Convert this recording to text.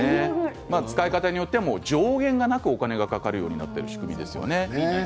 使い方によっては上限がなくお金がかかるようになる仕組みですよね。